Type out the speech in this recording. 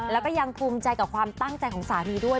แล้วก็ยังภูมิใจกับความตั้งใจของสามีด้วย